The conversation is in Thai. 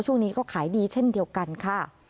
ช่วงนี้ก็ขายดีเช่นเดียวกันค่ะ